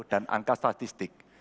dan angka statistik